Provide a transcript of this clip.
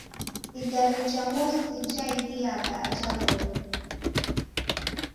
Igare ja mosi jaidiagha aja W'oi.